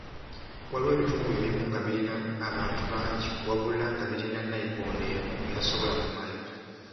Waliwo ebitundu ebimu nga birina abantu bangi wabula nga birina nayikondo emu etasobola kumala.